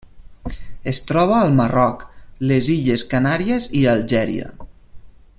Es troba al Marroc, les Illes Canàries i Algèria.